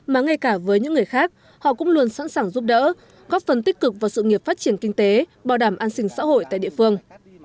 mà ngay cả với những người khác họ cũng luôn sẵn sàng giúp đỡ góp phần tích cực vào sự nghiệp phát triển kinh tế bảo đảm an sinh xã hội tại địa phương